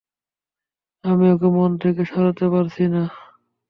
আমি ওকে মন থেকে সরাতে পারছি না।